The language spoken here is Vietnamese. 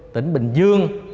tỉnh bình dương